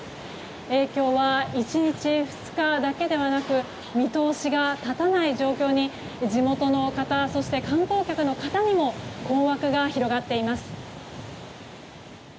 影響は１日２日だけではなく見通しが立たない状況に地元の方、そして観光客の方にも困惑が広がっています。